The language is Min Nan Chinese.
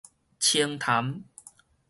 青潭